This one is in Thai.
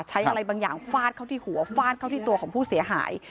ใช้อะไรบางอย่างฟาดเข้าที่หัวฟาดเข้าที่ตัวของผู้เสียหาย